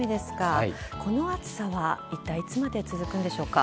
この暑さは、いったいいつまで続くんでしょうか。